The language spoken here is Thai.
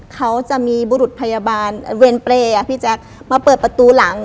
เขาจะมีบุรุษพยาบาลเวรเปรย์อ่ะพี่แจ๊คมาเปิดประตูหลัง